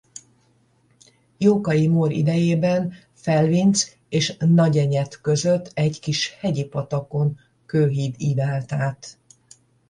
Jókai Mór idejében Felvinc és Nagyenyed között egy kis hegyi patakon kőhíd ívelt át.